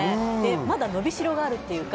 まだ伸びしろがあるっていうか。